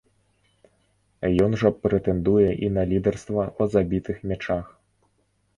Ён жа прэтэндуе і на лідарства па забітых мячах.